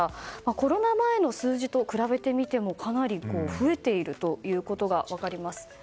コロナ前の数字と比べてみてもかなり増えているということが分かります。